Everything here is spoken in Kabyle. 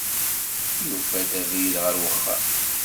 Yufa-d abrid ɣer uxxam.